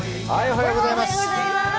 おはようございます。